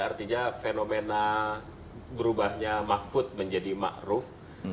artinya fenomena berubahnya mahfud menjadi ma'ruf